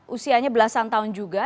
usianya belasan tahun juga